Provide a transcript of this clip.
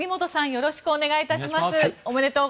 よろしくお願いします。